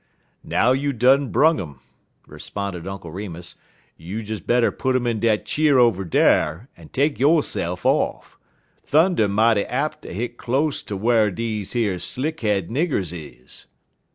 "Now you dun brung um," responded Uncle Remus, "you des better put um in dat cheer over dar, en take yo'se'f off. Thunder mighty ap' ter hit close ter whar deze here slick head niggers is."